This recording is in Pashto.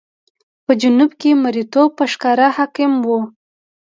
په جنوب کې مریتوب په ښکاره حاکم و.